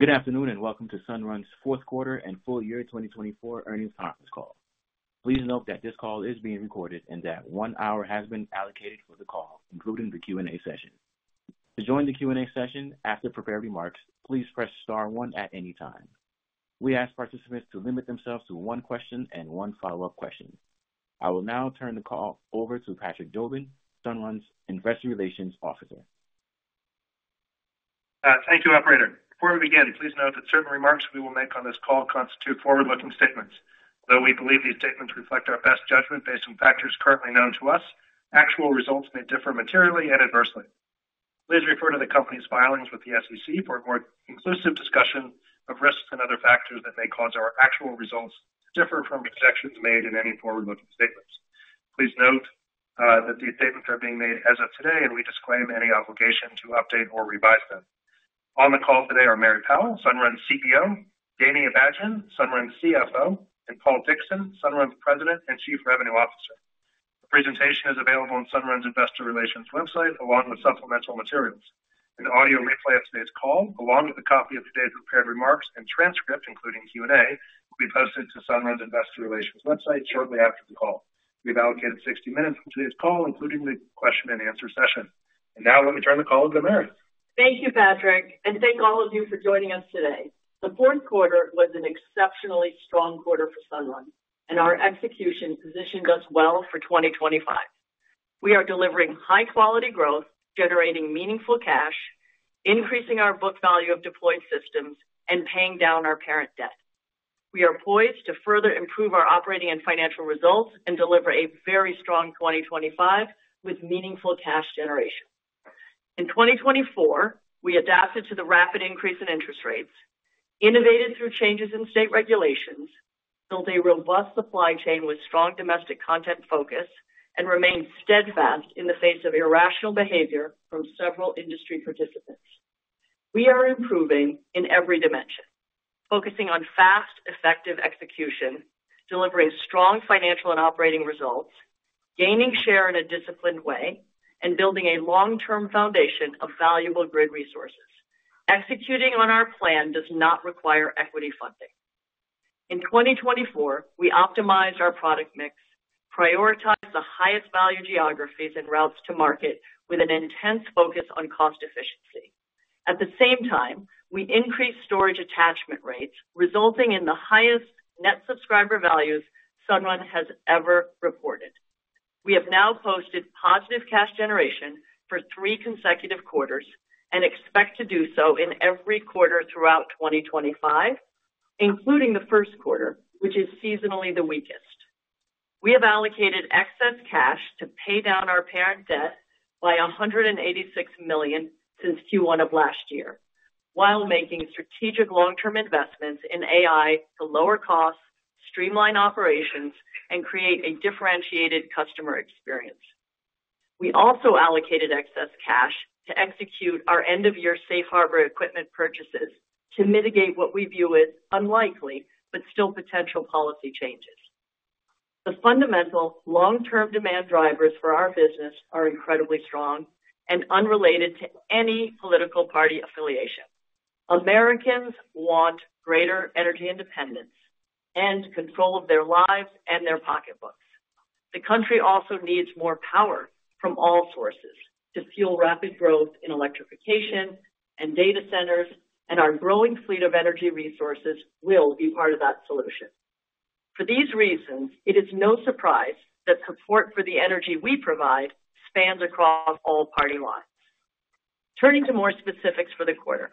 Good afternoon and welcome to Sunrun's fourth quarter and full year 2024 earnings conference call. Please note that this call is being recorded and that one hour has been allocated for the call, including the Q&A session. To join the Q&A session after prepared remarks, please press star one at any time. We ask participants to limit themselves to one question and one follow-up question. I will now turn the call over to Patrick Jobin, Sunrun's Investor Relations Officer. Thank you, Operator. Before we begin, please note that certain remarks we will make on this call constitute forward-looking statements. Though we believe these statements reflect our best judgment based on factors currently known to us, actual results may differ materially and adversely. Please refer to the company's filings with the SEC for a more inclusive discussion of risks and other factors that may cause our actual results to differ from projections made in any forward-looking statements. Please note that these statements are being made as of today, and we disclaim any obligation to update or revise them. On the call today are Mary Powell, Sunrun CEO, Danny Abajian, Sunrun CFO, and Paul Dickson, Sunrun's President and Chief Revenue Officer. The presentation is available on Sunrun's Investor Relations website along with supplemental materials. An audio replay of today's call, along with a copy of today's prepared remarks and transcript, including Q&A, will be posted to Sunrun's Investor Relations website shortly after the call. We've allocated 60 minutes for today's call, including the question and answer session, and now let me turn the call over to Mary. Thank you, Patrick, and thank all of you for joining us today. The fourth quarter was an exceptionally strong quarter for Sunrun, and our execution positioned us well for 2025. We are delivering high-quality growth, generating meaningful cash, increasing our book value of deployed systems, and paying down our parent debt. We are poised to further improve our operating and financial results and deliver a very strong 2025 with meaningful cash generation. In 2024, we adapted to the rapid increase in interest rates, innovated through changes in state regulations, built a robust supply chain with strong domestic content focus, and remained steadfast in the face of irrational behavior from several industry participants. We are improving in every dimension, focusing on fast, effective execution, delivering strong financial and operating results, gaining share in a disciplined way, and building a long-term foundation of valuable grid resources. Executing on our plan does not require equity funding. In 2024, we optimized our product mix, prioritized the highest value geographies and routes to market with an intense focus on cost efficiency. At the same time, we increased storage attachment rates, resulting in the highest net subscriber values Sunrun has ever reported. We have now posted positive cash generation for three consecutive quarters and expect to do so in every quarter throughout 2025, including the first quarter, which is seasonally the weakest. We have allocated excess cash to pay down our parent debt by $186 million since Q1 of last year, while making strategic long-term investments in AI to lower costs, streamline operations, and create a differentiated customer experience. We also allocated excess cash to execute our end-of-year safe harbor equipment purchases to mitigate what we view as unlikely but still potential policy changes. The fundamental long-term demand drivers for our business are incredibly strong and unrelated to any political party affiliation. Americans want greater energy independence and control of their lives and their pocketbooks. The country also needs more power from all sources to fuel rapid growth in electrification and data centers, and our growing fleet of energy resources will be part of that solution. For these reasons, it is no surprise that support for the energy we provide spans across all party lines. Turning to more specifics for the quarter.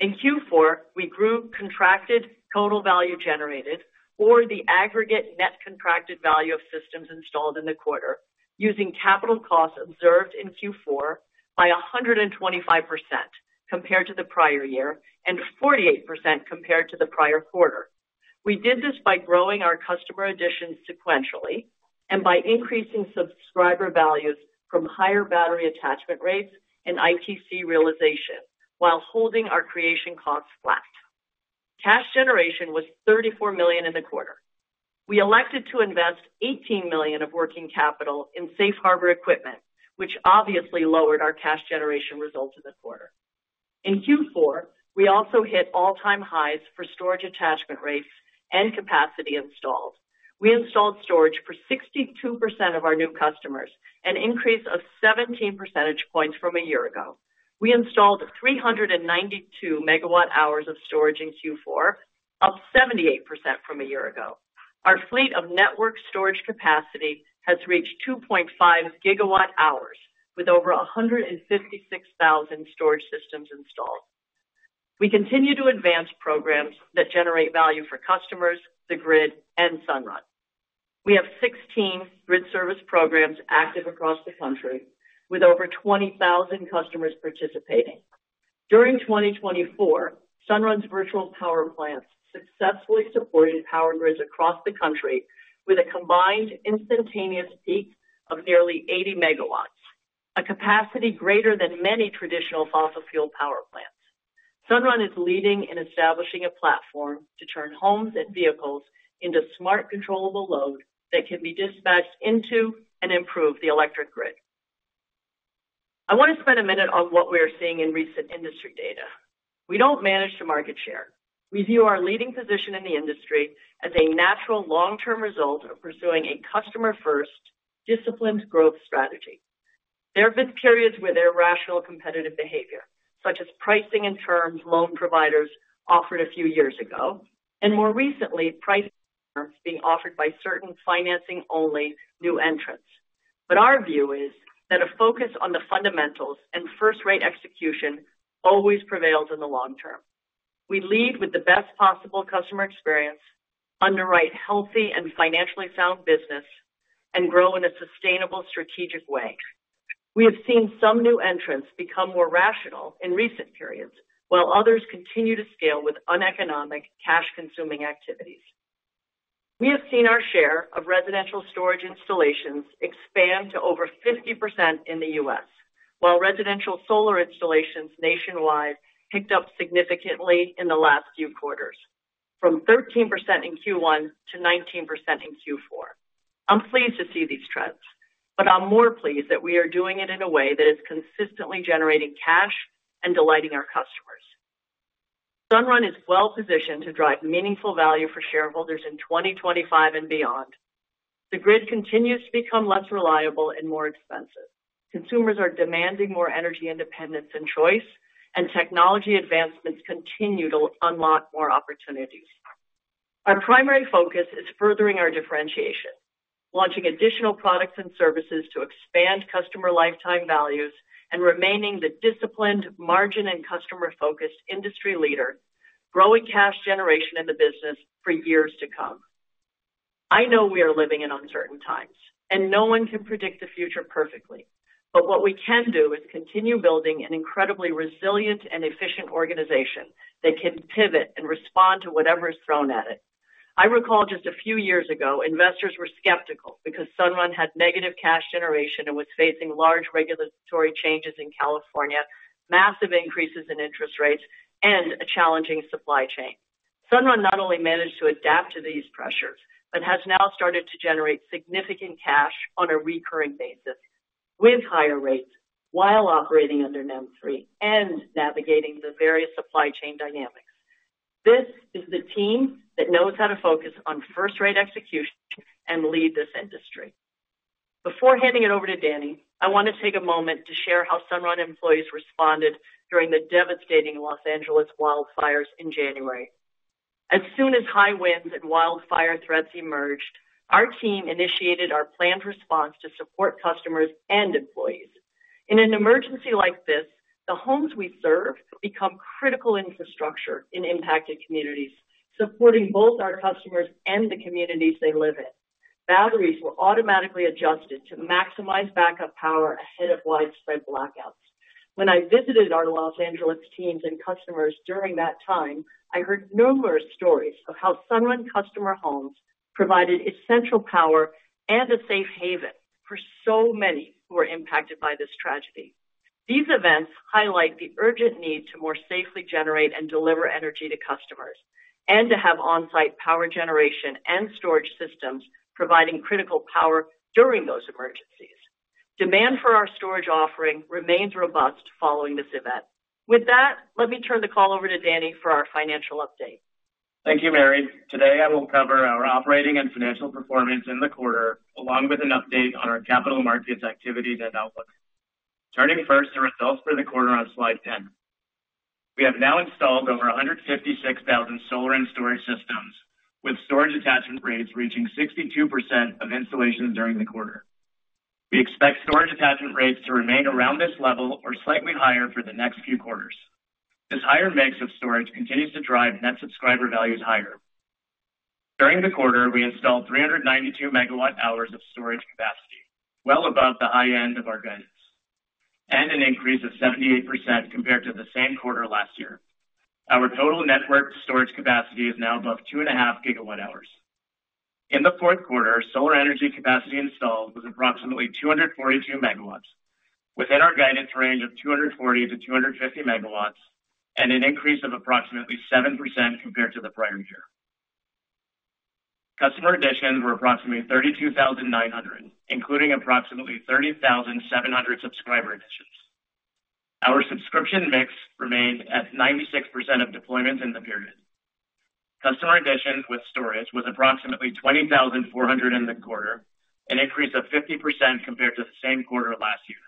In Q4, we grew contracted total value generated, or the aggregate net contracted value of systems installed in the quarter, using capital costs observed in Q4 by 125% compared to the prior year and 48% compared to the prior quarter. We did this by growing our customer additions sequentially and by increasing subscriber values from higher battery attachment rates and ITC realization while holding our creation costs flat. Cash generation was $34 million in the quarter. We elected to invest $18 million of working capital in safe harbor equipment, which obviously lowered our cash generation results in the quarter. In Q4, we also hit all-time highs for storage attachment rates and capacity installed. We installed storage for 62% of our new customers, an increase of 17 percentage points from a year ago. We installed 392 megawatt-hours of storage in Q4, up 78% from a year ago. Our fleet of network storage capacity has reached 2.5 gigawatt-hours with over 156,000 storage systems installed. We continue to advance programs that generate value for customers, the grid, and Sunrun. We have 16 grid service programs active across the country with over 20,000 customers participating. During 2024, Sunrun's virtual power plants successfully supported power grids across the country with a combined instantaneous peak of nearly 80 megawatts, a capacity greater than many traditional fossil fuel power plants. Sunrun is leading in establishing a platform to turn homes and vehicles into smart controllable load that can be dispatched into and improve the electric grid. I want to spend a minute on what we are seeing in recent industry data. We don't manage to market share. We view our leading position in the industry as a natural long-term result of pursuing a customer-first, disciplined growth strategy. There have been periods where irrational competitive behavior, such as pricing and terms loan providers offered a few years ago, and more recently, pricing and terms being offered by certain financing-only new entrants. But our view is that a focus on the fundamentals and first-rate execution always prevails in the long term. We lead with the best possible customer experience, underwrite healthy and financially sound business, and grow in a sustainable strategic way. We have seen some new entrants become more rational in recent periods, while others continue to scale with uneconomic, cash-consuming activities. We have seen our share of residential storage installations expand to over 50% in the U.S., while residential solar installations nationwide picked up significantly in the last few quarters, from 13% in Q1 to 19% in Q4. I'm pleased to see these trends, but I'm more pleased that we are doing it in a way that is consistently generating cash and delighting our customers. Sunrun is well-positioned to drive meaningful value for shareholders in 2025 and beyond. The grid continues to become less reliable and more expensive. Consumers are demanding more energy independence and choice, and technology advancements continue to unlock more opportunities. Our primary focus is furthering our differentiation, launching additional products and services to expand customer lifetime values, and remaining the disciplined, margin, and customer-focused industry leader, growing cash generation in the business for years to come. I know we are living in uncertain times, and no one can predict the future perfectly, but what we can do is continue building an incredibly resilient and efficient organization that can pivot and respond to whatever is thrown at it. I recall just a few years ago, investors were skeptical because Sunrun had negative cash generation and was facing large regulatory changes in California, massive increases in interest rates, and a challenging supply chain. Sunrun not only managed to adapt to these pressures but has now started to generate significant cash on a recurring basis with higher rates while operating under NEM 3 and navigating the various supply chain dynamics. This is the team that knows how to focus on first-rate execution and lead this industry. Before handing it over to Danny, I want to take a moment to share how Sunrun employees responded during the devastating Los Angeles wildfires in January. As soon as high winds and wildfire threats emerged, our team initiated our planned response to support customers and employees. In an emergency like this, the homes we serve become critical infrastructure in impacted communities, supporting both our customers and the communities they live in. Batteries were automatically adjusted to maximize backup power ahead of widespread blackouts. When I visited our Los Angeles teams and customers during that time, I heard numerous stories of how Sunrun customer homes provided essential power and a safe haven for so many who were impacted by this tragedy. These events highlight the urgent need to more safely generate and deliver energy to customers and to have on-site power generation and storage systems providing critical power during those emergencies. Demand for our storage offering remains robust following this event. With that, let me turn the call over to Danny for our financial update. Thank you, Mary. Today, I will cover our operating and financial performance in the quarter, along with an update on our capital markets activities and outlook. Turning first to results for the quarter on slide 10, we have now installed over 156,000 solar and storage systems, with storage attachment rates reaching 62% of installations during the quarter. We expect storage attachment rates to remain around this level or slightly higher for the next few quarters. This higher mix of storage continues to drive net subscriber values higher. During the quarter, we installed 392 megawatt-hours of storage capacity, well above the high end of our guidance, and an increase of 78% compared to the same quarter last year. Our total network storage capacity is now above 2.5 gigawatt-hours. In the fourth quarter, solar energy capacity installed was approximately 242 megawatts, within our guidance range of 240-250 megawatts, and an increase of approximately 7% compared to the prior year. Customer additions were approximately 32,900, including approximately 30,700 subscriber additions. Our subscription mix remained at 96% of deployments in the period. Customer additions with storage was approximately 20,400 in the quarter, an increase of 50% compared to the same quarter last year.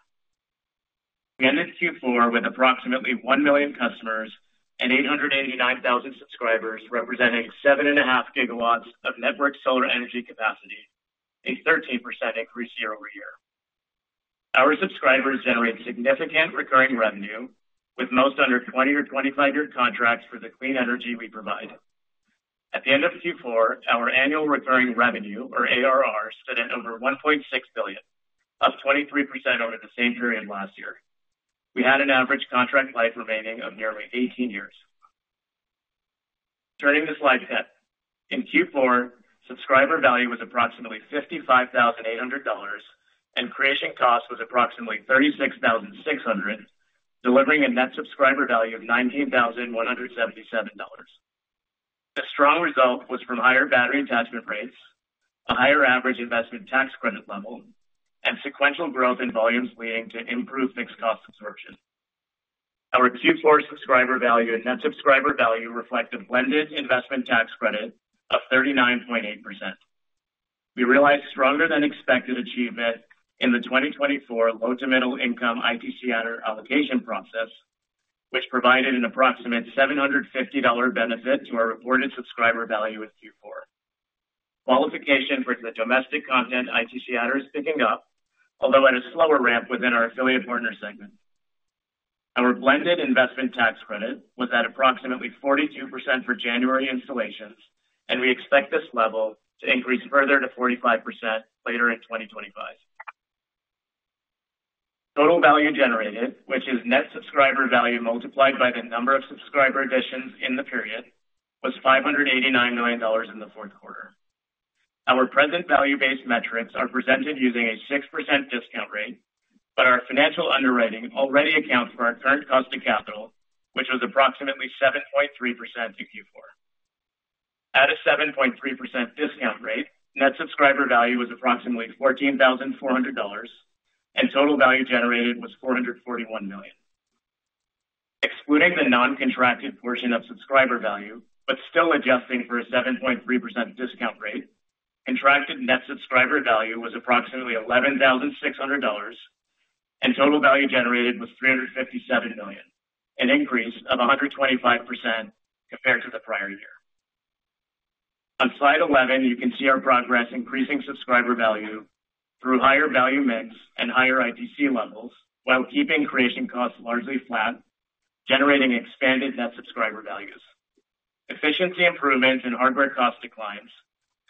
We ended Q4 with approximately 1 million customers and 889,000 subscribers, representing 7.5 gigawatts of network solar energy capacity, a 13% increase year over year. Our subscribers generate significant recurring revenue, with most under 20- or 25-year contracts for the clean energy we provide. At the end of Q4, our annual recurring revenue, or ARR, stood at over $1.6 billion, up 23% over the same period last year. We had an average contract life remaining of nearly 18 years. Turning to slide 10, in Q4, subscriber value was approximately $55,800, and creation cost was approximately $36,600, delivering a net subscriber value of $19,177. A strong result was from higher battery attachment rates, a higher average investment tax credit level, and sequential growth in volumes leading to improved fixed cost absorption. Our Q4 subscriber value and net subscriber value reflect a blended investment tax credit of 39.8%. We realized stronger-than-expected achievement in the 2024 low-to-middle-income ITC adders allocation process, which provided an approximate $750 benefit to our reported subscriber value in Q4. Qualification for the domestic content ITC adders is picking up, although at a slower ramp within our affiliate partner segment. Our blended investment tax credit was at approximately 42% for January installations, and we expect this level to increase further to 45% later in 2025. Total value generated, which is net subscriber value multiplied by the number of subscriber additions in the period, was $589 million in the fourth quarter. Our present value-based metrics are presented using a 6% discount rate, but our financial underwriting already accounts for our current cost of capital, which was approximately 7.3% in Q4. At a 7.3% discount rate, net subscriber value was approximately $14,400, and total value generated was $441 million. Excluding the non-contracted portion of subscriber value, but still adjusting for a 7.3% discount rate, contracted net subscriber value was approximately $11,600, and total value generated was $357 million, an increase of 125% compared to the prior year. On slide 11, you can see our progress increasing subscriber value through higher value mix and higher ITC levels while keeping creation costs largely flat, generating expanded net subscriber values. Efficiency improvements and hardware cost declines,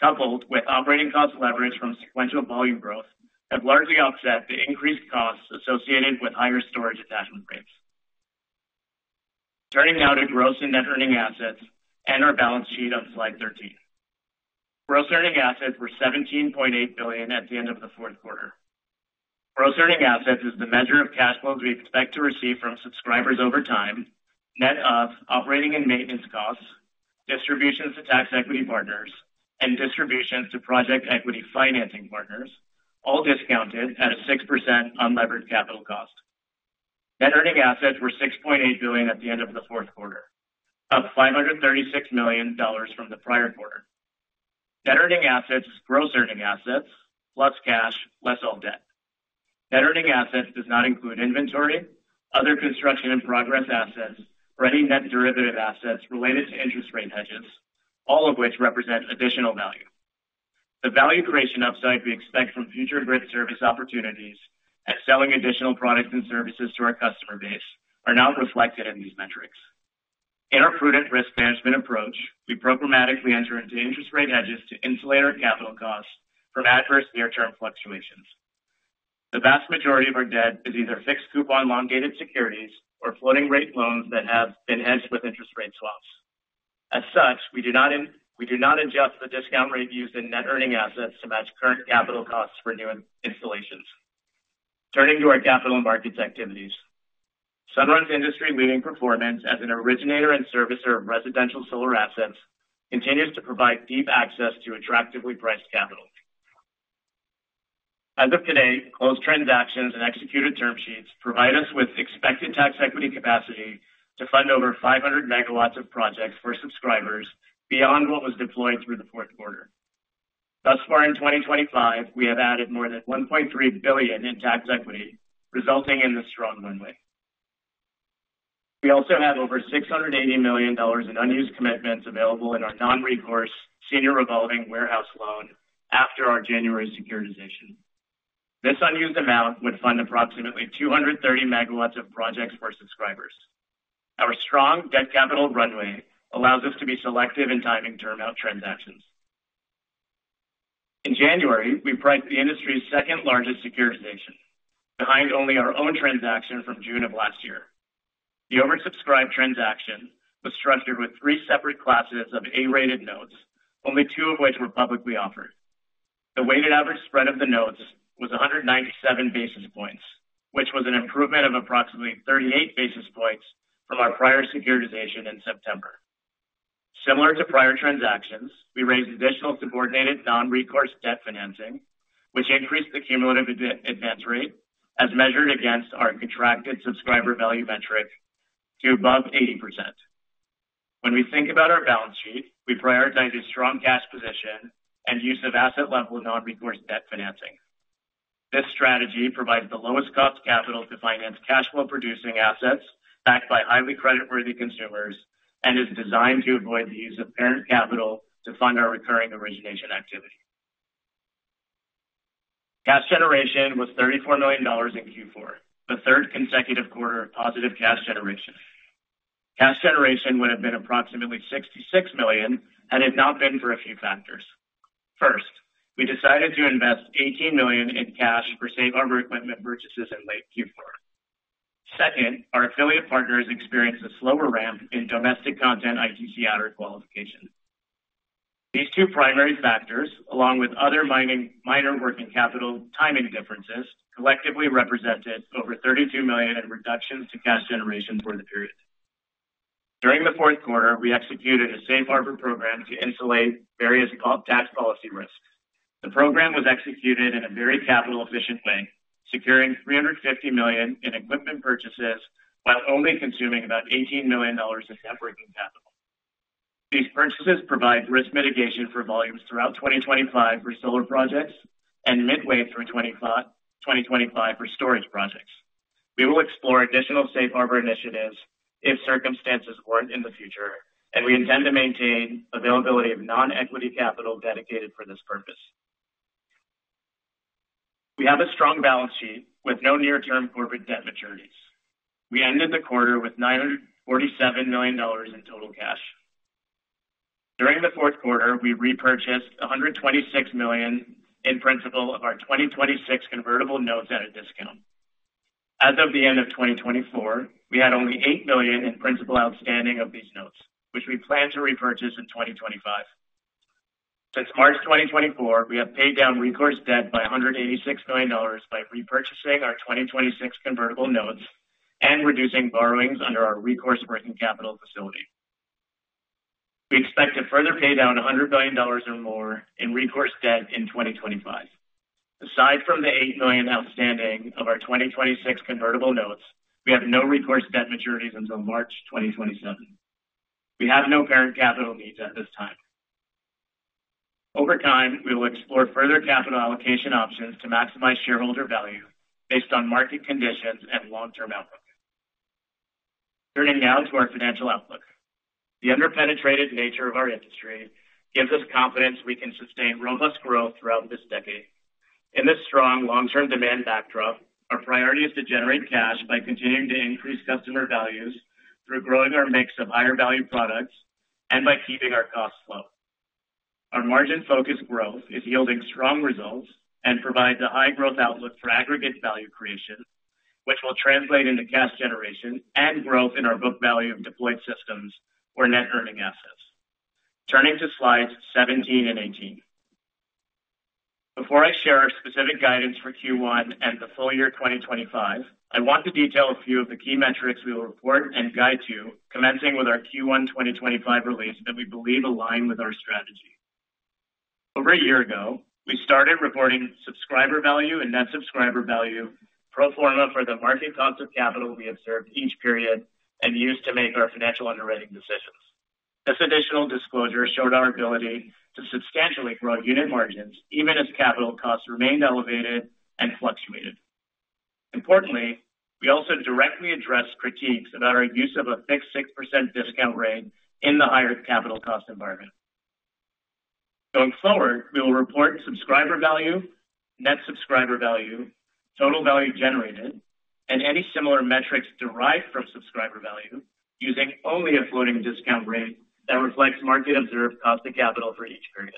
coupled with operating cost leverage from sequential volume growth, have largely offset the increased costs associated with higher storage attachment rates. Turning now to gross and net earning assets and our balance sheet on slide 13. Gross earning assets were $17.8 billion at the end of the fourth quarter. Gross earning assets is the measure of cash flows we expect to receive from subscribers over time, net of operating and maintenance costs, distributions to tax equity partners, and distributions to project equity financing partners, all discounted at a 6% unlevered capital cost. Net earning assets were $6.8 billion at the end of the fourth quarter, up $536 million from the prior quarter. Net earning assets is gross earning assets plus cash, less all debt. Net Earning Assets does not include inventory, other construction and progress assets, or any net derivative assets related to interest rate hedges, all of which represent additional value. The value creation upside we expect from future grid service opportunities and selling additional products and services to our customer base are not reflected in these metrics. In our prudent risk management approach, we programmatically enter into interest rate hedges to insulate our capital costs from adverse near-term fluctuations. The vast majority of our debt is either fixed coupon long-dated securities or floating-rate loans that have been hedged with interest rate swaps. As such, we do not adjust the discount rate used in Net Earning Assets to match current capital costs for new installations. Turning to our capital markets activities, Sunrun's industry-leading performance as an originator and servicer of residential solar assets continues to provide deep access to attractively priced capital. As of today, closed transactions and executed term sheets provide us with expected tax equity capacity to fund over 500 megawatts of projects for subscribers beyond what was deployed through the fourth quarter. Thus far, in 2025, we have added more than $1.3 billion in tax equity, resulting in this strong runway. We also have over $680 million in unused commitments available in our non-recourse senior revolving warehouse loan after our January securitization. This unused amount would fund approximately 230 megawatts of projects for subscribers. Our strong debt capital runway allows us to be selective in timing term out transactions. In January, we priced the industry's second-largest securitization, behind only our own transaction from June of last year. The oversubscribed transaction was structured with three separate classes of A-rated notes, only two of which were publicly offered. The weighted average spread of the notes was 197 basis points, which was an improvement of approximately 38 basis points from our prior securitization in September. Similar to prior transactions, we raised additional subordinated non-recourse debt financing, which increased the cumulative advance rate as measured against our contracted subscriber value metric to above 80%. When we think about our balance sheet, we prioritize a strong cash position and use of asset-level non-recourse debt financing. This strategy provides the lowest cost capital to finance cash flow-producing assets backed by highly creditworthy consumers and is designed to avoid the use of parent capital to fund our recurring origination activity. Cash generation was $34 million in Q4, the third consecutive quarter of positive cash generation. Cash generation would have been approximately $66 million had it not been for a few factors. First, we decided to invest $18 million in cash for safe harbor equipment purchases in late Q4. Second, our affiliate partners experienced a slower ramp in domestic content ITC adders qualification. These two primary factors, along with other minor working capital timing differences, collectively represented over $32 million in reductions to cash generation for the period. During the fourth quarter, we executed a safe harbor program to insulate various tax policy risks. The program was executed in a very capital-efficient way, securing $350 million in equipment purchases while only consuming about $18 million in net working capital. These purchases provide risk mitigation for volumes throughout 2025 for solar projects and midway through 2025 for storage projects. We will explore additional safe harbor initiatives if circumstances warrant in the future, and we intend to maintain availability of non-equity capital dedicated for this purpose. We have a strong balance sheet with no near-term corporate debt maturities. We ended the quarter with $947 million in total cash. During the fourth quarter, we repurchased $126 million in principal of our 2026 convertible notes at a discount. As of the end of 2024, we had only $8 million in principal outstanding of these notes, which we plan to repurchase in 2025. Since March 2024, we have paid down recourse debt by $186 million by repurchasing our 2026 convertible notes and reducing borrowings under our recourse working capital facility. We expect to further pay down $100 million or more in recourse debt in 2025. Aside from the $8 million outstanding of our 2026 convertible notes, we have no recourse debt maturities until March 2027. We have no parent capital needs at this time. Over time, we will explore further capital allocation options to maximize shareholder value based on market conditions and long-term outlook. Turning now to our financial outlook. The underpenetrated nature of our industry gives us confidence we can sustain robust growth throughout this decade. In this strong long-term demand backdrop, our priority is to generate cash by continuing to increase customer values through growing our mix of higher value products and by keeping our costs low. Our margin-focused growth is yielding strong results and provides a high growth outlook for aggregate value creation, which will translate into cash generation and growth in our book value of deployed systems or Net Earning Assets. Turning to slides 17 and 18. Before I share our specific guidance for Q1 and the full year 2025, I want to detail a few of the key metrics we will report and guide to, commencing with our Q1 2025 release that we believe align with our strategy. Over a year ago, we started reporting subscriber value and net subscriber value pro forma for the market cost of capital we observed each period and used to make our financial underwriting decisions. This additional disclosure showed our ability to substantially grow unit margins even as capital costs remained elevated and fluctuated. Importantly, we also directly addressed critiques about our use of a fixed 6% discount rate in the higher capital cost environment. Going forward, we will report Subscriber Value, Net Subscriber Value, Total Value Generated, and any similar metrics derived from Subscriber Value using only a floating discount rate that reflects market-observed cost of capital for each period.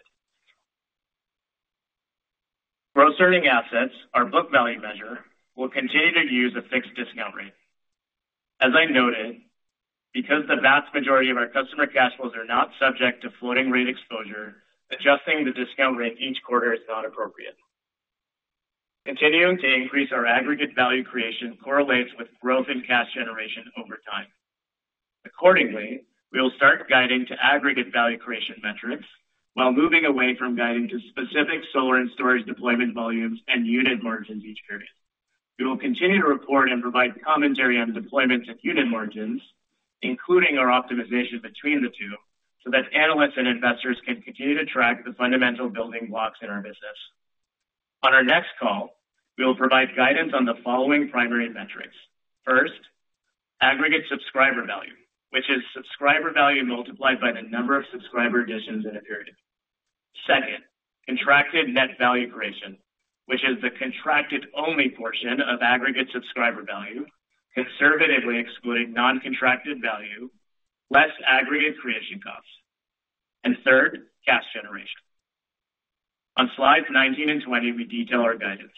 Gross Earning Assets, our book value measure, will continue to use a fixed discount rate. As I noted, because the vast majority of our customer cash flows are not subject to floating-rate exposure, adjusting the discount rate each quarter is not appropriate. Continuing to increase our aggregate value creation correlates with growth in cash generation over time. Accordingly, we will start guiding to aggregate value creation metrics while moving away from guiding to specific solar and storage deployment volumes and unit margins each period. We will continue to report and provide commentary on deployments and unit margins, including our optimization between the two, so that analysts and investors can continue to track the fundamental building blocks in our business. On our next call, we will provide guidance on the following primary metrics. First, aggregate subscriber value, which is subscriber value multiplied by the number of subscriber additions in a period. Second, contracted net value creation, which is the contracted-only portion of aggregate subscriber value, conservatively excluding non-contracted value, less aggregate creation costs. And third, cash generation. On slides 19 and 20, we detail our guidance.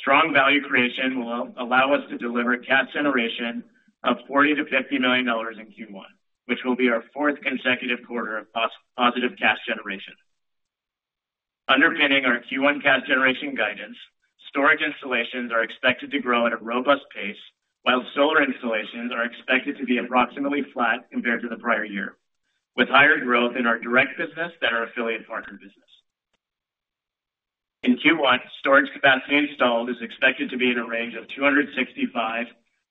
Strong value creation will allow us to deliver cash generation of $40-$50 million in Q1, which will be our fourth consecutive quarter of positive cash generation. Underpinning our Q1 cash generation guidance, storage installations are expected to grow at a robust pace, while solar installations are expected to be approximately flat compared to the prior year, with higher growth in our direct business than our affiliate partner business. In Q1, storage capacity installed is expected to be in a range of 265-275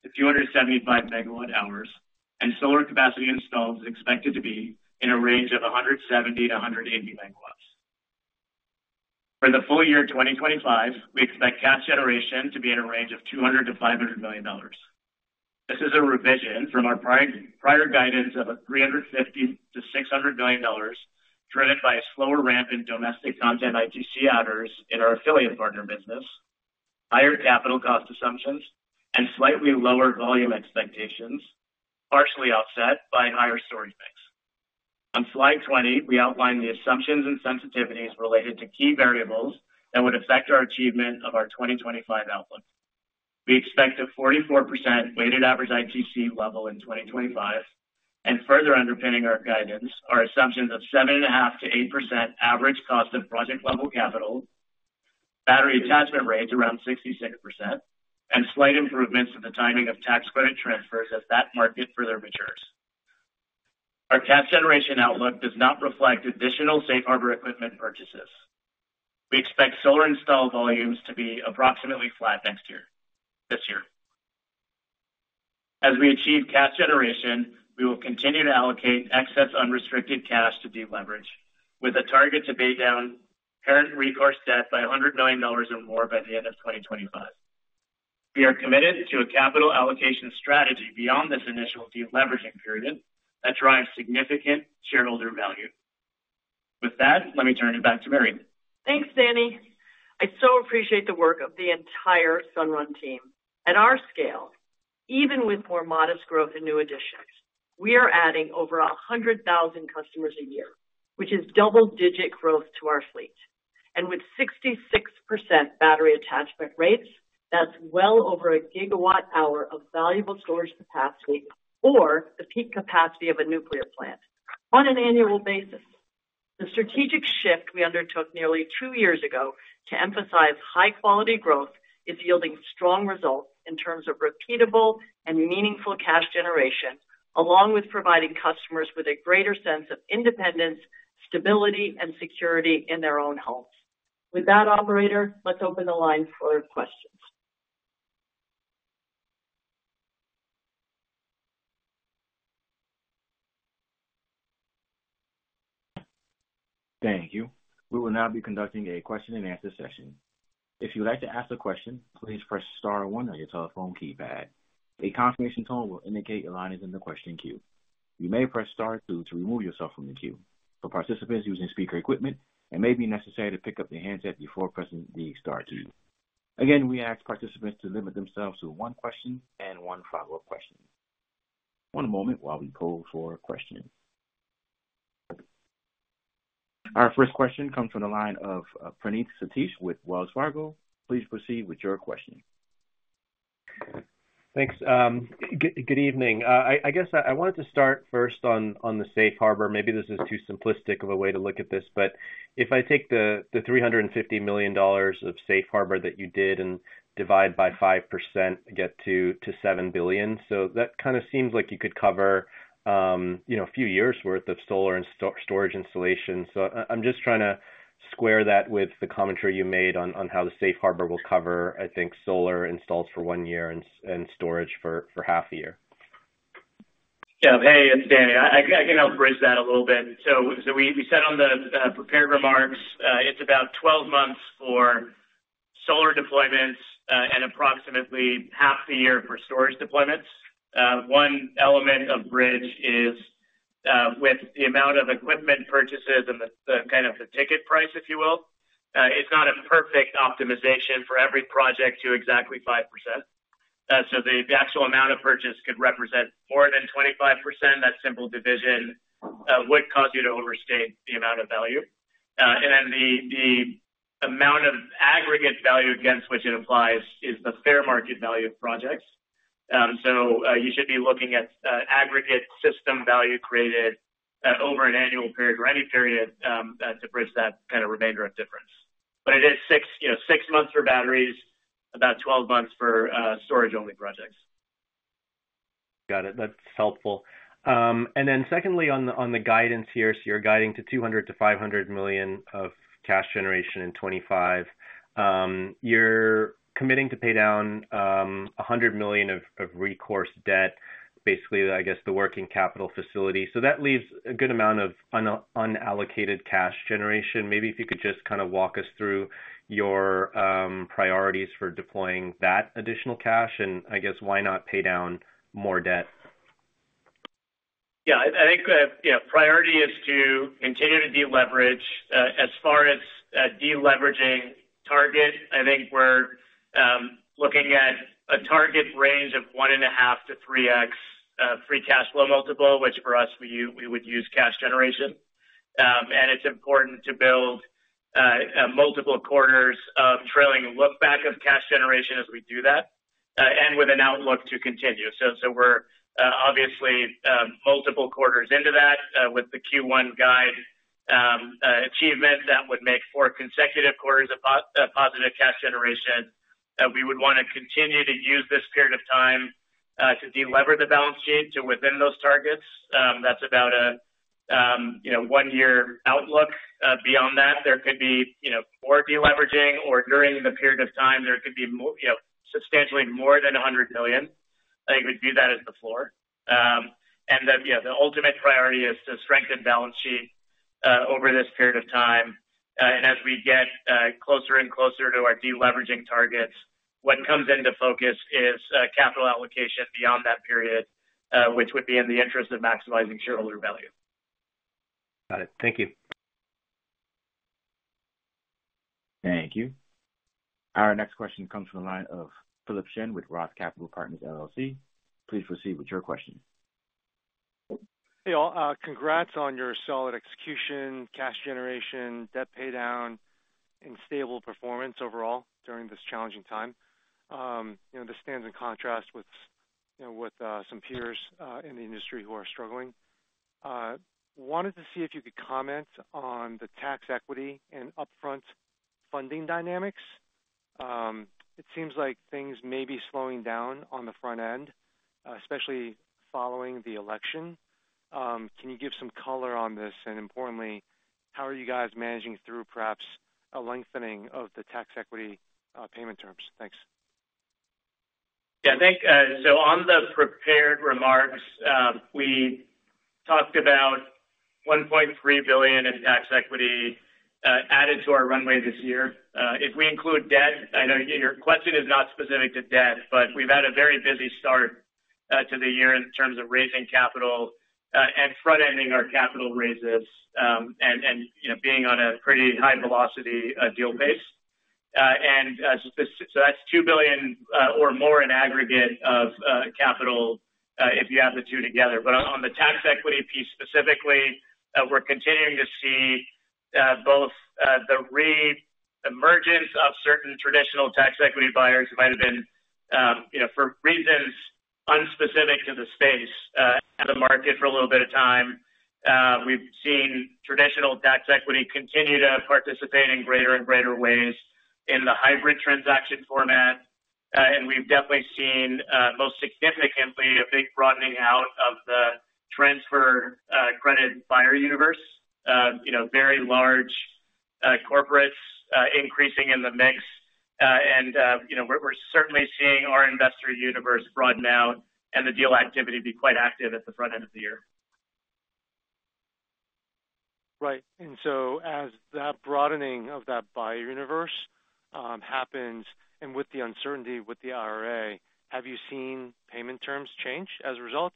megawatt-hours, and solar capacity installed is expected to be in a range of 170-180 megawatts. For the full year 2025, we expect cash generation to be in a range of $200-$500 million. This is a revision from our prior guidance of $350-$600 million driven by a slower ramp in domestic content ITC adders in our affiliate partner business, higher capital cost assumptions, and slightly lower volume expectations, partially offset by higher storage mix. On slide 20, we outline the assumptions and sensitivities related to key variables that would affect our achievement of our 2025 outlook. We expect a 44% weighted average ITC level in 2025, and further underpinning our guidance are assumptions of 7.5%-8% average cost of project-level capital, battery attachment rates around 66%, and slight improvements in the timing of tax credit transfers as that market further matures. Our cash generation outlook does not reflect additional safe harbor equipment purchases. We expect solar install volumes to be approximately flat this year. As we achieve cash generation, we will continue to allocate excess unrestricted cash to de-leverage, with a target to pay down parent recourse debt by $100 million or more by the end of 2025. We are committed to a capital allocation strategy beyond this initial de-leveraging period that drives significant shareholder value. With that, let me turn it back to Mary. Thanks, Danny. I so appreciate the work of the entire Sunrun team. At our scale, even with more modest growth and new additions, we are adding over 100,000 customers a year, which is double-digit growth to our fleet. And with 66% battery attachment rates, that's well over a gigawatt hour of valuable storage capacity or the peak capacity of a nuclear plant on an annual basis. The strategic shift we undertook nearly two years ago to emphasize high-quality growth is yielding strong results in terms of repeatable and meaningful cash generation, along with providing customers with a greater sense of independence, stability, and security in their own homes. With that, operator, let's open the line for questions. Thank you. We will now be conducting a question-and-answer session. If you'd like to ask a question, please press Star 1 on your telephone keypad. A confirmation tone will indicate your line is in the question queue. You may press Star 2 to remove yourself from the queue. For participants using speaker equipment, it may be necessary to pick up the handset before pressing the Star key. Again, we ask participants to limit themselves to one question and one follow-up question. One moment while we pull for questions. Our first question comes from the line of Praneeth Satish with Wells Fargo. Please proceed with your question. Thanks. Good evening. I guess I wanted to start first on the safe harbor. Maybe this is too simplistic of a way to look at this, but if I take the $350 million of safe harbor that you did and divide by 5%, get to $7 billion. So that kind of seems like you could cover a few years' worth of solar and storage installation. So I'm just trying to square that with the commentary you made on how the safe harbor will cover, I think, solar installs for one year and storage for half a year. Yeah. Hey, it's Danny. I can help bridge that a little bit. So we said on the prepared remarks, it's about 12 months for solar deployments and approximately half the year for storage deployments. One element of bridge is with the amount of equipment purchases and the kind of the ticket price, if you will, it's not a perfect optimization for every project to exactly 5%. So the actual amount of purchase could represent more than 25%. That simple division would cause you to overstate the amount of value. And then the amount of aggregate value against which it applies is the fair market value of projects. So you should be looking at aggregate system value created over an annual period or any period to bridge that kind of remainder of difference. But it is six months for batteries, about 12 months for storage-only projects. Got it. That's helpful. And then secondly, on the guidance here, so you're guiding to $200-$500 million of cash generation in 2025. You're committing to pay down $100 million of recourse debt, basically, I guess, the working capital facility. So that leaves a good amount of unallocated cash generation. Maybe if you could just kind of walk us through your priorities for deploying that additional cash, and I guess why not pay down more debt? Yeah. I think priority is to continue to de-leverage. As far as de-leveraging target, I think we're looking at a target range of 1.5x-3x free cash flow multiple, which for us we would use cash generation, and it's important to build multiple quarters of trailing lookback of cash generation as we do that, and with an outlook to continue, so we're obviously multiple quarters into that with the Q1 guide achievement that would make four consecutive quarters of positive cash generation. We would want to continue to use this period of time to de-lever the balance sheet to within those targets. That's about a one-year outlook. Beyond that, there could be more de-leveraging, or during the period of time, there could be substantially more than $100 million. I think we'd view that as the floor, and the ultimate priority is to strengthen balance sheet over this period of time. And as we get closer and closer to our de-leveraging targets, what comes into focus is capital allocation beyond that period, which would be in the interest of maximizing shareholder value. Got it. Thank you. Thank you. Our next question comes from the line of Phillip Shen with Roth Capital Partners. Please proceed with your question. Hey, all. Congrats on your solid execution, cash generation, debt paydown, and stable performance overall during this challenging time. This stands in contrast with some peers in the industry who are struggling. Wanted to see if you could comment on the tax equity and upfront funding dynamics. It seems like things may be slowing down on the front end, especially following the election. Can you give some color on this? And importantly, how are you guys managing through perhaps a lengthening of the tax equity payment terms? Thanks. Yeah. Thanks. On the prepared remarks, we talked about $1.3 billion in tax equity added to our runway this year. If we include debt, I know your question is not specific to debt, but we've had a very busy start to the year in terms of raising capital and front-ending our capital raises and being on a pretty high-velocity deal base. That's $2 billion or more in aggregate of capital if you add the two together. But on the tax equity piece specifically, we're continuing to see both the re-emergence of certain traditional tax equity buyers who might have been, for reasons unspecific to the space, out of the market for a little bit of time. We've seen traditional tax equity continue to participate in greater and greater ways in the hybrid transaction format. And we've definitely seen, most significantly, a big broadening out of the tax credit transfer buyer universe, very large corporates increasing in the mix. And we're certainly seeing our investor universe broaden out and the deal activity be quite active at the front end of the year. Right. And so as that broadening of that buyer universe happens, and with the uncertainty with the IRA, have you seen payment terms change as a result?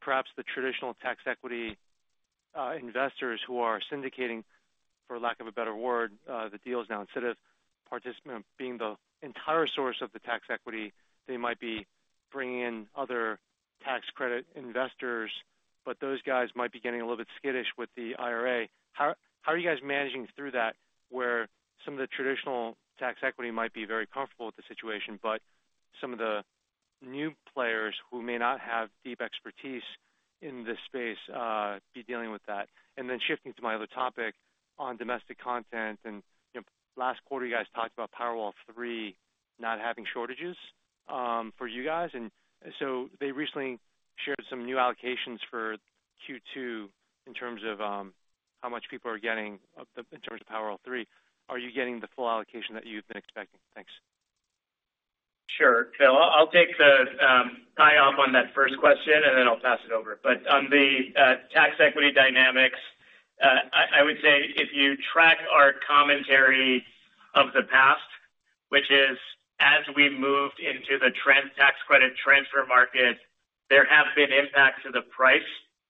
Perhaps the traditional tax equity investors who are syndicating, for lack of a better word, the deals now, instead of participants being the entire source of the tax equity, they might be bringing in other tax credit investors, but those guys might be getting a little bit skittish with the IRA. How are you guys managing through that where some of the traditional tax equity might be very comfortable with the situation, but some of the new players who may not have deep expertise in this space be dealing with that, and then shifting to my other topic on domestic content, and last quarter, you guys talked about Powerwall 3 not having shortages for you guys, and so they recently shared some new allocations for Q2 in terms of how much people are getting in terms of Powerwall 3. Are you getting the full allocation that you've been expecting? Thanks. Sure, so I'll take the first on that first question, and then I'll pass it over. On the tax equity dynamics, I would say if you track our commentary of the past, which is as we moved into the tax credit transfer market, there have been impacts to the price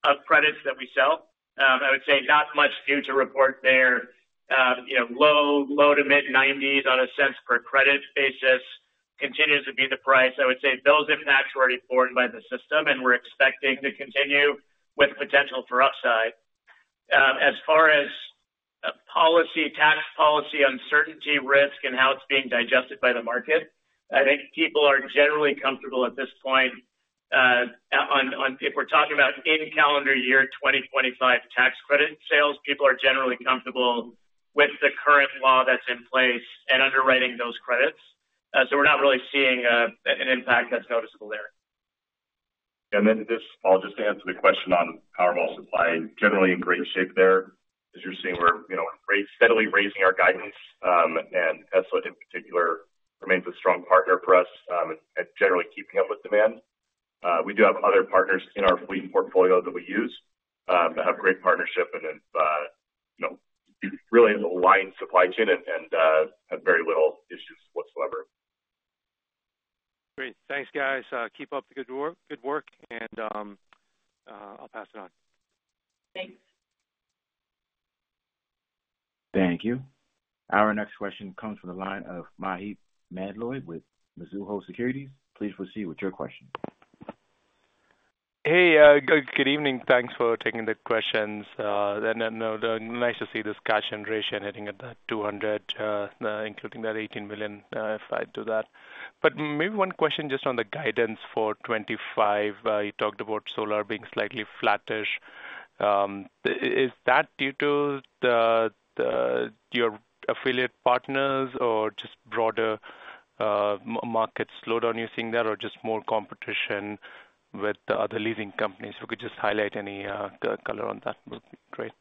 of credits that we sell. I would say not much to report there. Low- to mid-90s on a cents per credit basis continues to be the price. I would say those impacts were already borne by the system, and we're expecting to continue with potential for upside. As far as tax policy uncertainty risk and how it's being digested by the market, I think people are generally comfortable at this point. If we're talking about in calendar year 2025 tax credit sales, people are generally comfortable with the current law that's in place and underwriting those credits. So we're not really seeing an impact that's noticeable there. Then this fall, just to answer the question on Powerwall supply. Generally in great shape there, as you're seeing we're steadily raising our guidance, and Tesla in particular remains a strong partner for us at generally keeping up with demand. We do have other partners in our fleet portfolio that we use that have great partnership and have really aligned supply chain and have very little issues whatsoever. Great. Thanks, guys. Keep up the good work, and I'll pass it on. Thanks. Thank you. Our next question comes from the line of Maheep Mandloi with Mizuho Securities. Please proceed with your question. Hey, good evening. Thanks for taking the questions. And nice to see this cash generation hitting at that $200 million, including that $18 million if I do that. But maybe one question just on the guidance for 2025. You talked about solar being slightly flattish. Is that due to your affiliate partners or just broader market slowdown you're seeing there, or just more competition with the other leading companies? If you could just highlight any color on that would be great.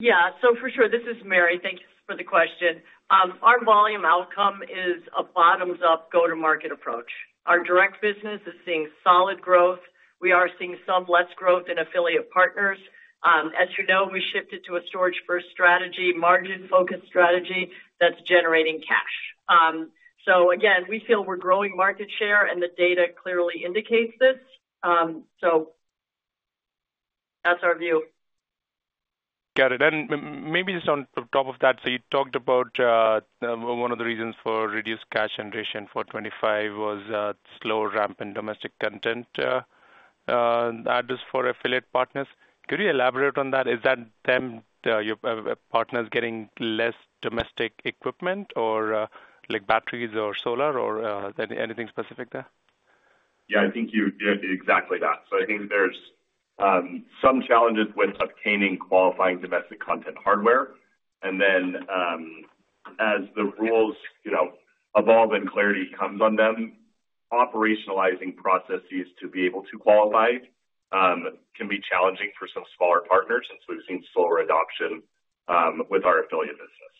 Yeah. So for sure, this is Mary. Thank you for the question. Our volume outcome is a bottoms-up go-to-market approach. Our direct business is seeing solid growth. We are seeing some less growth in affiliate partners. As you know, we shifted to a storage-first strategy, margin-focused strategy that's generating cash. So again, we feel we're growing market share, and the data clearly indicates this. So that's our view. Got it. And maybe just on top of that, so you talked about one of the reasons for reduced cash generation for 2025 was slow ramp in domestic content adder for affiliate partners. Could you elaborate on that? Is that them partners getting less domestic equipment or batteries or solar or anything specific there? Yeah. I think you did exactly that, so I think there's some challenges with obtaining qualifying domestic content hardware, and then as the rules evolve and clarity comes on them, operationalizing processes to be able to qualify can be challenging for some smaller partners since we've seen slower adoption with our affiliate business.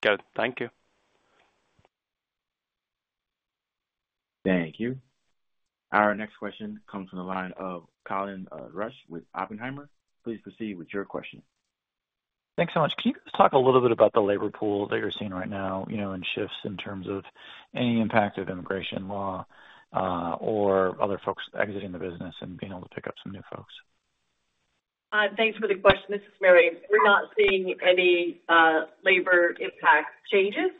Got it. Thank you. Thank you. Our next question comes from the line of Colin Rush with Oppenheimer. Please proceed with your question. Thanks so much. Can you just talk a little bit about the labor pool that you're seeing right now and shifts in terms of any impact of immigration law or other folks exiting the business and being able to pick up some new folks? Thanks for the question. This is Mary. We're not seeing any labor impact changes.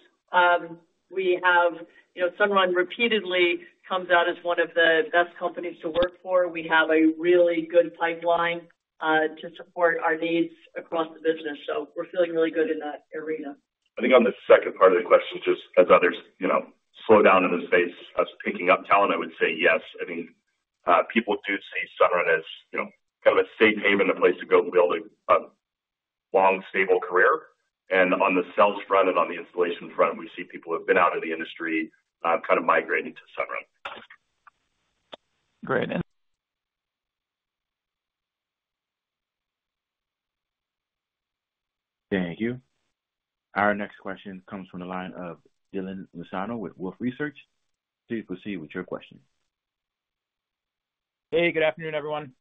Sunrun repeatedly comes out as one of the best companies to work for. We have a really good pipeline to support our needs across the business. So we're feeling really good in that arena. I think on the second part of the question, just as others slow down in the space of picking up talent, I would say yes. I mean, people do see Sunrun as kind of a safe haven, a place to go build a long, stable career. And on the sales front and on the installation front, we see people who have been out of the industry kind of migrating to Sunrun. Great. Thank you. Our next question comes from the line of Dylan Lozano with Wolfe Research. Please proceed with your question. Hey, good afternoon, everyone.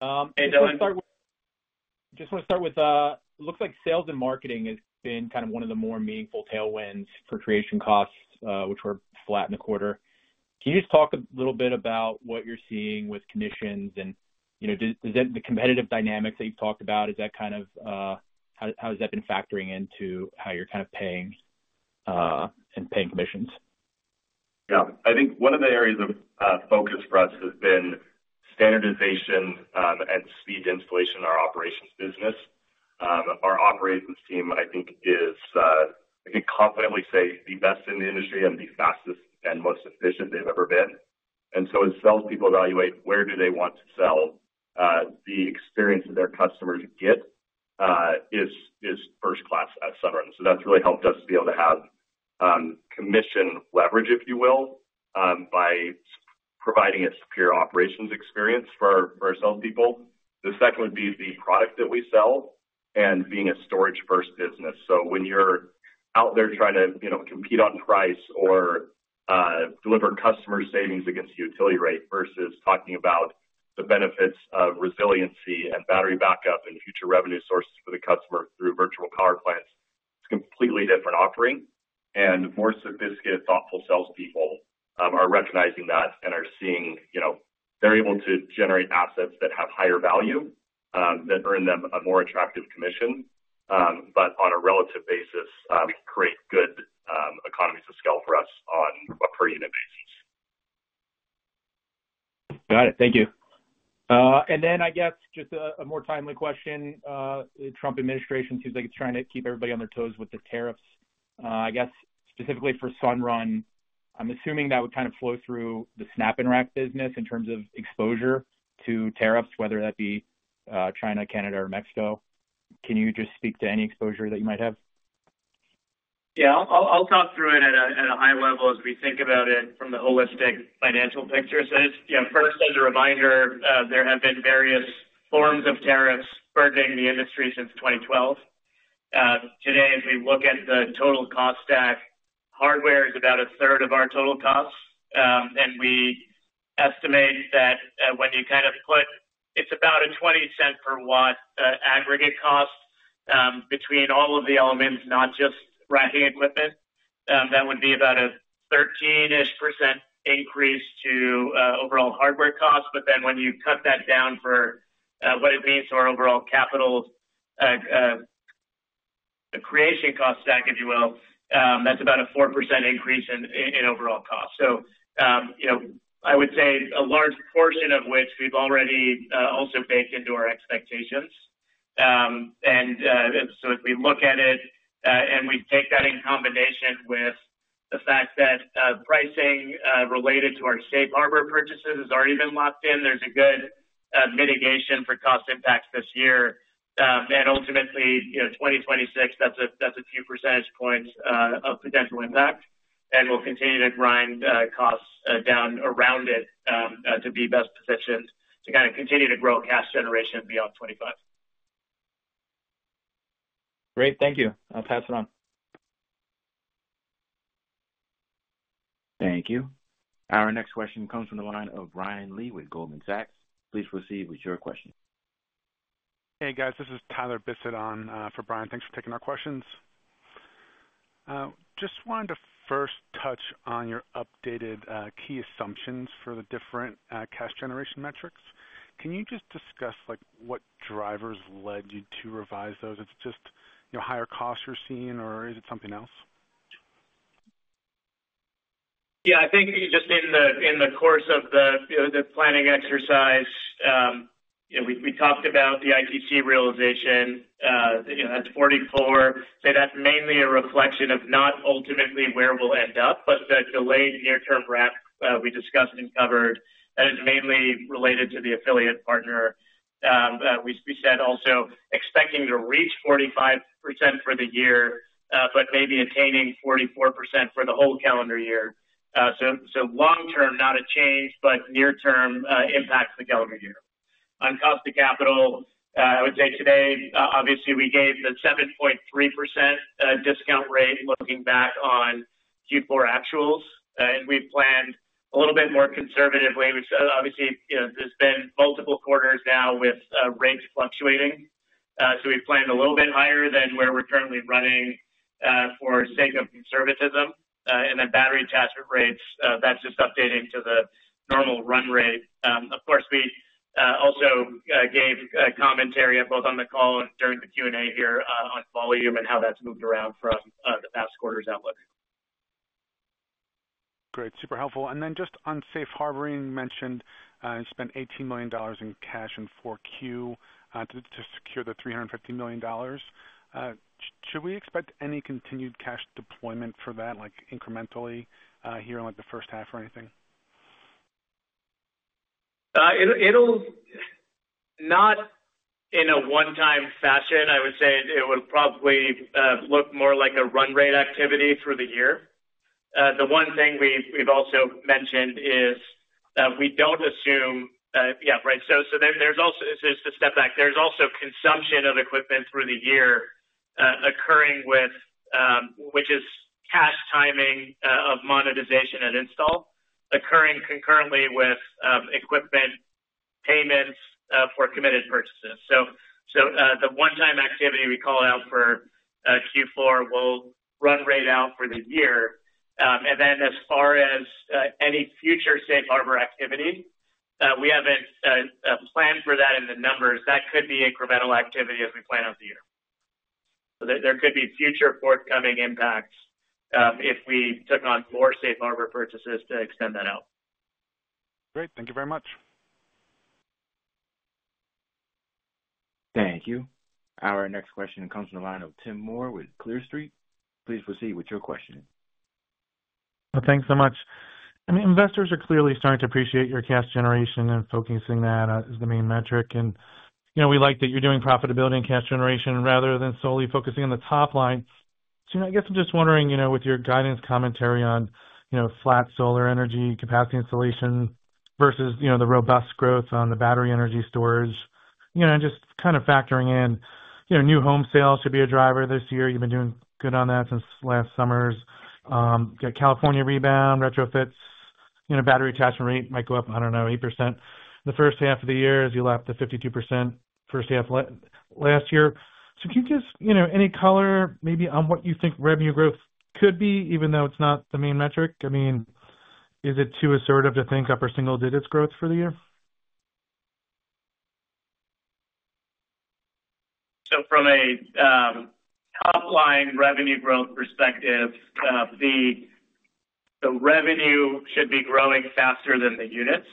Hey, Dylan. Just want to start with, looks like sales and marketing has been kind of one of the more meaningful tailwinds for creation costs, which were flat in the quarter. Can you just talk a little bit about what you're seeing with commissions? And is that the competitive dynamics that you've talked about? Is that kind of how has that been factoring into how you're kind of paying commissions? Yeah. I think one of the areas of focus for us has been standardization and speed installation in our operations business. Our operations team, I think, can confidently say the best in the industry and the fastest and most efficient they've ever been. And so as salespeople evaluate where do they want to sell, the experience that their customers get is first-class at Sunrun. So that's really helped us be able to have commission leverage, if you will, by providing a superior operations experience for our salespeople. The second would be the product that we sell and being a storage-first business. So when you're out there trying to compete on price or deliver customer savings against utility rate versus talking about the benefits of resiliency and battery backup and future revenue sources for the customer through virtual power plants, it's a completely different offering. And more sophisticated, thoughtful salespeople are recognizing that and are seeing they're able to generate assets that have higher value that earn them a more attractive commission, but on a relative basis, create good economies of scale for us on a per-unit basis. Got it. Thank you. And then I guess just a more timely question. The Trump administration seems like it's trying to keep everybody on their toes with the tariffs. I guess specifically for Sunrun, I'm assuming that would kind of flow through the SnapNrack business in terms of exposure to tariffs, whether that be China, Canada, or Mexico. Can you just speak to any exposure that you might have? Yeah. I'll talk through it at a high level as we think about it from the holistic financial picture. So first, as a reminder, there have been various forms of tariffs burdening the industry since 2012. Today, as we look at the total cost stack, hardware is about a third of our total costs. We estimate that when you kind of put it, it's about a $0.20 per watt aggregate cost between all of the elements, not just racking equipment, that would be about a 13-ish% increase to overall hardware costs. Then when you cut that down for what it means to our overall capital creation cost stack, if you will, that's about a 4% increase in overall cost. I would say a large portion of which we've already also baked into our expectations. If we look at it and we take that in combination with the fact that pricing related to our safe harbor purchases has already been locked in, there's a good mitigation for cost impacts this year. Ultimately, 2026, that's a few percentage points of potential impact. And we'll continue to grind costs down around it to be best positioned to kind of continue to grow cash generation beyond '25. Great. Thank you. I'll pass it on. Thank you. Our next question comes from the line of Brian Lee with Goldman Sachs. Please proceed with your question. Hey, guys. This is Tyler Biceda for Brian. Thanks for taking our questions. Just wanted to first touch on your updated key assumptions for the different cash generation metrics. Can you just discuss what drivers led you to revise those? It's just higher costs you're seeing, or is it something else? Yeah. I think just in the course of the planning exercise, we talked about the ITC realization. That's '44. So that's mainly a reflection of not ultimately where we'll end up, but the delayed near-term wrap we discussed and covered. That is mainly related to the affiliate partner. We said also expecting to reach 45% for the year, but maybe attaining 44% for the whole calendar year. So long-term, not a change, but near-term impacts the calendar year. On cost of capital, I would say today, obviously, we gave the 7.3% discount rate looking back on Q4 actuals. And we've planned a little bit more conservatively. Obviously, there's been multiple quarters now with rates fluctuating. So we've planned a little bit higher than where we're currently running for the sake of conservatism. And then battery attachment rates, that's just updating to the normal run rate. Of course, we also gave commentary both on the call and during the Q&A here on volume and how that's moved around from the past quarter's outlook. Great. Super helpful. And then just on safe harbor, you mentioned you spent $18 million in cash in Q4 2024 to secure the $350 million. Should we expect any continued cash deployment for that, like incrementally here in the first half or anything? Not in a one-time fashion. I would say it would probably look more like a run rate activity for the year. The one thing we've also mentioned is that we don't assume yeah, right. So there's also just a step back. There's also consumption of equipment through the year occurring, with which is cash timing of monetization and install occurring concurrently with equipment payments for committed purchases. So the one-time activity we call out for Q4 will run rate out for the year. And then as far as any future Safe Harbor activity, we haven't planned for that in the numbers. That could be incremental activity as we plan out the year. So there could be future forthcoming impacts if we took on more Safe Harbor purchases to extend that out. Great. Thank you very much. Thank you. Our next question comes from the line of Tim Moore with Clear Street. Please proceed with your question. Thanks so much. I mean, investors are clearly starting to appreciate your cash generation and focusing that as the main metric. And we like that you're doing profitability and cash generation rather than solely focusing on the top line. So I guess I'm just wondering with your guidance commentary on flat solar energy capacity installation versus the robust growth on the battery energy storage, and just kind of factoring in new home sales should be a driver this year. You've been doing good on that since last summer's California rebound, retrofits, battery attachment rate might go up, I don't know, 8%. The first half of the year, as you left, the 52% first half last year. So can you give us any color maybe on what you think revenue growth could be, even though it's not the main metric? I mean, is it too assertive to think upper single digits growth for the year? So from a top-line revenue growth perspective, the revenue should be growing faster than the units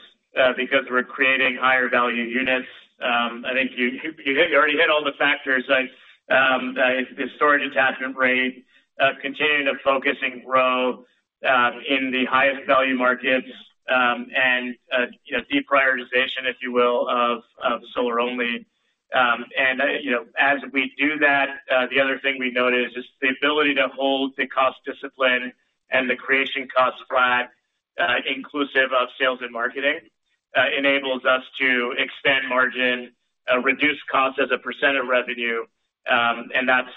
because we're creating higher-value units. I think you already hit all the factors. The storage attachment rate continuing to focus and grow in the highest value markets and deprioritization, if you will, of solar only. And as we do that, the other thing we noted is just the ability to hold the cost discipline and the creation costs flat, inclusive of sales and marketing, enables us to expand margin, reduce costs as a % of revenue, and that's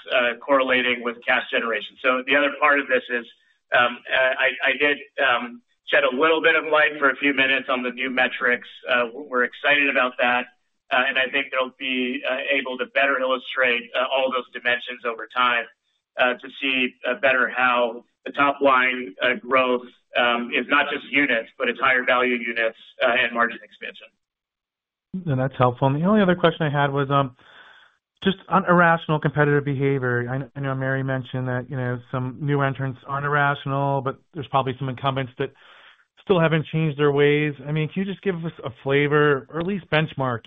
correlating with cash generation. So the other part of this is I did shed a little bit of light for a few minutes on the new metrics. We're excited about that. And I think they'll be able to better illustrate all those dimensions over time to see better how the top-line growth is not just units, but it's higher-value units and margin expansion. And that's helpful. And the only other question I had was just on irrational competitive behavior. I know Mary mentioned that some new entrants aren't irrational, but there's probably some incumbents that still haven't changed their ways. I mean, can you just give us a flavor or at least benchmark?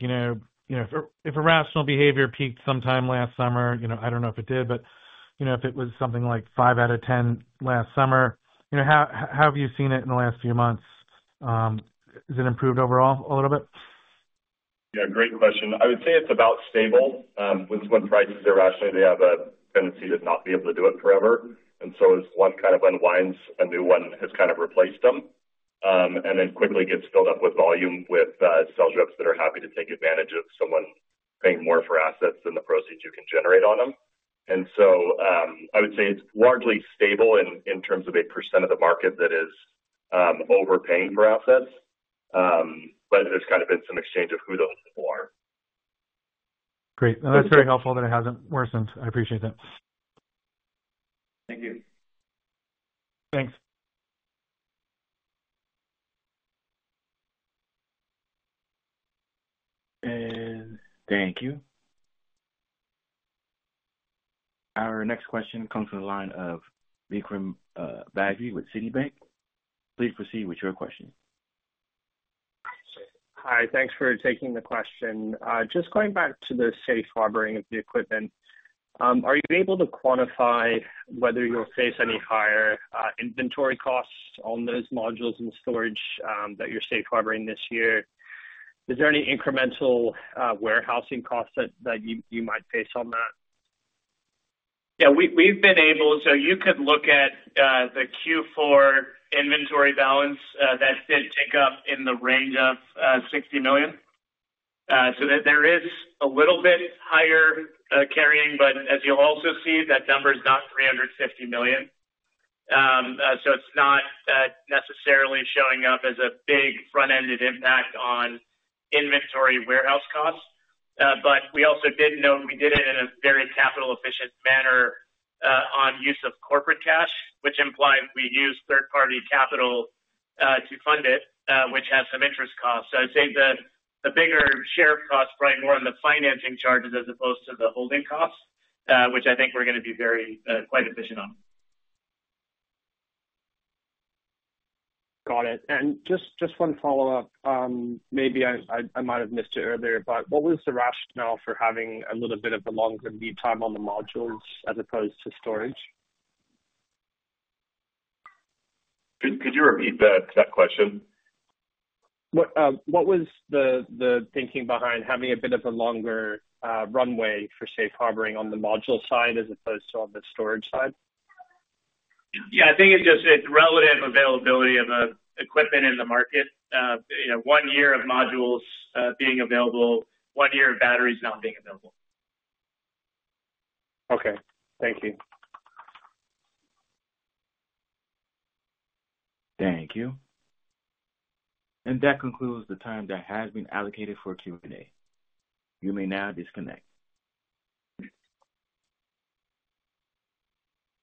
If irrational behavior peaked sometime last summer, I don't know if it did, but if it was something like 5 out of 10 last summer, how have you seen it in the last few months? Has it improved overall a little bit? Yeah. Great question. I would say it's about stable. When prices are rationally, they have a tendency to not be able to do it forever. And so as one kind of unwinds, a new one has kind of replaced them. And then quickly gets filled up with volume with sales reps that are happy to take advantage of someone paying more for assets than the proceeds you can generate on them. And so I would say it's largely stable in terms of a percent of the market that is overpaying for assets. But there's kind of been some exchange of who those people are. Great. That's very helpful that it hasn't worsened. I appreciate that. Thank you. Thanks. And thank you. Our next question comes from the line of Vikram Bagri with Citibank. Please proceed with your question. Hi. Thanks for taking the question. Just going back to the safe harboring of the equipment, are you able to quantify whether you'll face any higher inventory costs on those modules and storage that you're safe harboring this year? Is there any incremental warehousing costs that you might face on that? Yeah. We've been able so you could look at the Q4 inventory balance that did take up in the range of $60 million. So there is a little bit higher carrying, but as you'll also see, that number is not $350 million. So it's not necessarily showing up as a big front-ended impact on inventory warehouse costs. But we also did note we did it in a very capital-efficient manner on use of corporate cash, which implies we use third-party capital to fund it, which has some interest costs. So I'd say the bigger share of costs probably more on the financing charges as opposed to the holding costs, which I think we're going to be quite efficient on. Got it. And just one follow-up. Maybe I might have missed it earlier, but what was the rationale for having a little bit of a longer lead time on the modules as opposed to storage? Could you repeat that question? What was the thinking behind having a bit of a longer runway for safe harbor on the module side as opposed to on the storage side? Yeah. I think it's just relative availability of equipment in the market. One year of modules being available, one year of batteries not being available. Okay. Thank you. Thank you. And that concludes the time that has been allocated for Q&A. You may now disconnect.